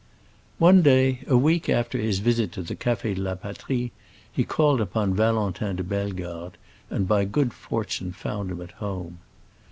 One day, a week after his visit to the Café de la Patrie, he called upon Valentin de Bellegarde, and by good fortune found him at home.